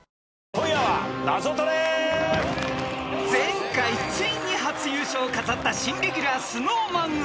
『今夜はナゾトレ』［前回ついに初優勝を飾った新レギュラーＳｎｏｗＭａｎ阿部］